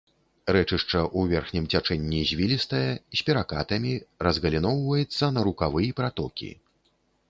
Рэчышча ў верхнім цячэнні звілістае, з перакатамі, разгаліноўваецца на рукавы і пратокі.